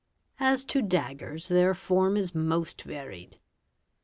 As to daggers their form is most varied.